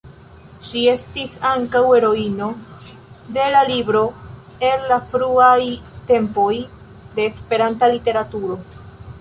Ŝi estas ankaŭ heroino de libro el la fruaj tempoj de Esperanta literaturo.